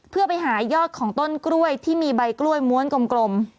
เพื่อไปหายอดของต้นกล้วยที่มีใบกล้วยม้วนกลม